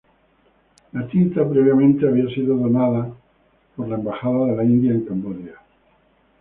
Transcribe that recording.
La tinta previamente había sido donado por la Embajada de la India en Camboya.